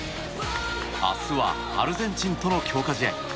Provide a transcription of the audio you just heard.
明日はアルゼンチンとの強化試合。